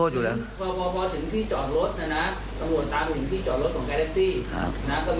ดื่มครับ